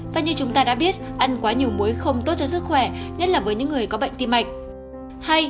và như chúng ta đã biết ăn quá nhiều muối không tốt cho sức khỏe nhất là với những người có bệnh tim mạch